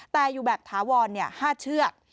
แต่อยู่แบบถาวร๕เชือก